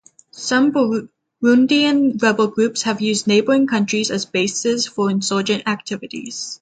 Some Burundian rebel groups have used neighboring countries as bases for insurgent activities.